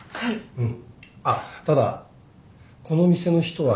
うん。